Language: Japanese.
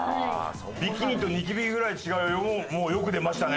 「ビキニとニキビぐらい違うよ」もよく出ましたね。